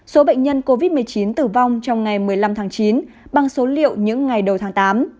số bệnh nhân covid một mươi chín tử vong trong ngày một mươi năm tháng chín bằng số liệu những ngày đầu tháng tám